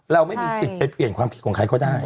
เราไม่มีสิทธิ์ไปเปลี่ยนความคิดของใครเขาได้